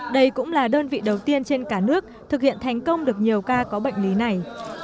đây cũng là đơn vị đầu tiên trên cả nước thực hiện thành công được nhiều ca có bệnh lý này